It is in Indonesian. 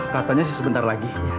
katanya sih sebentar lagi